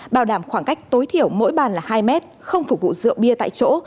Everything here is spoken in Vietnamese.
bảo đảm khoảng cách tối thiểu mỗi bàn là hai mét không phục vụ rượu bia tại chỗ